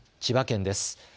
千葉県です。